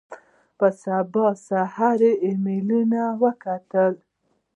په سبا سهار ایمېلونه وکتل.